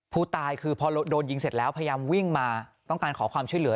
ผู้ตายคือพอโดนยิงเสร็จแล้วพยายามวิ่งมาต้องการขอความช่วยเหลือ